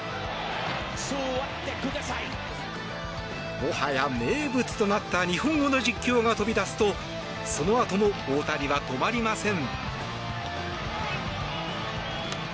もはや名物となった日本語の実況が飛び出すとそのあとも大谷は止まりません。